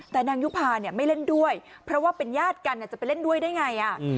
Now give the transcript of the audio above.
แต่นางยุภาเนี่ยไม่เล่นด้วยเพราะว่าเป็นญาติกันจะไปเล่นด้วยได้ไง